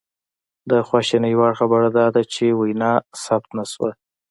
د خواشینۍ وړ خبره دا ده چې وینا ثبت نه شوه